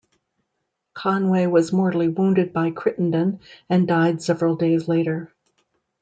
Conway was mortally wounded by Crittenden and died several days later.